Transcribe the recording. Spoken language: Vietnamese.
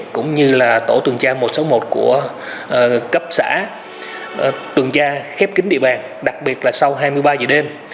cũng như tổ tuần tra một trăm sáu mươi một của cấp xã tuần tra khép kín địa bàn đặc biệt là sau hai mươi ba giờ đêm